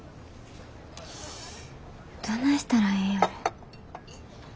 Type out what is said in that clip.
どないしたらええんやろ。